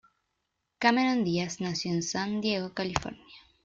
Cameron Diaz nació en San Diego, California.